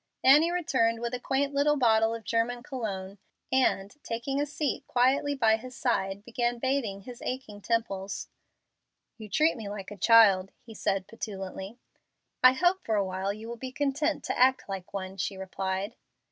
Annie returned with a quaint little bottle of German cologne, and, taking a seat quietly by his side, began bathing his aching temples. "You treat me like a child," he said, petulantly. "I hope for a while you will be content to act like one," she replied.